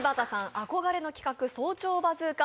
憧れの企画「早朝バズーカ」